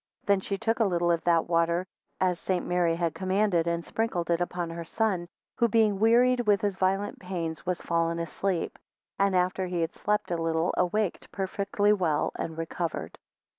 5 Then she took a little of that water, as St. Mary had commanded, and sprinkled it upon her son, who being wearied with his violent pains, was fallen asleep; and after he had slept a little, awaked perfectly well and recovered.